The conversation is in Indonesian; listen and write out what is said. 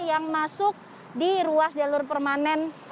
yang masuk di ruas jalur permanen